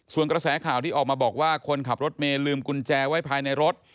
ส่วนกระแสข่าวที่ออกมาบอกว่าคนขับรถเมย์ลืมกุญแจไว้ภายในรถ